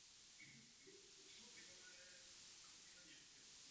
Důraz zde musí být kladen na vzdělávání.